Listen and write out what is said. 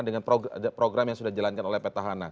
dengan program yang sudah dijalankan oleh peta hana